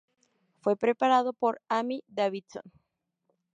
Fue preparado por Amy Davidson.